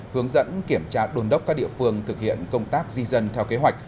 hướng dẫn kiểm tra đôn đốc các địa phương thực hiện công tác di dân theo kế hoạch